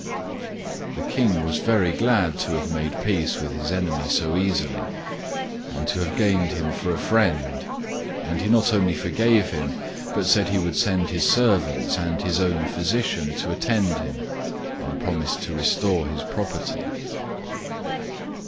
The King was very glad to have made peace with his enemy so easily, and to have gained him for a friend, and he not only forgave him, but said he would send his servants and his own physician to attend him, and promised to restore his property.